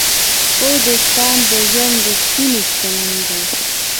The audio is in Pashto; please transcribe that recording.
ښه دوستان د ژوند ریښتینې شتمني ده.